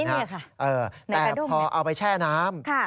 แต่พอเอาไปแช่น้ำ